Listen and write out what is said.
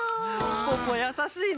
ポッポやさしいね。